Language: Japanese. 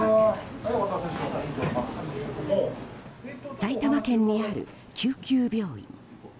埼玉県にある救急病院。